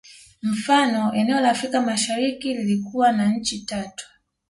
Mfano eneo la Afrika Mashariki likiwa na nchi tatu